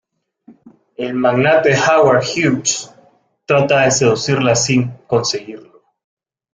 El magnate Howard Hughes trata de seducirla sin conseguirlo.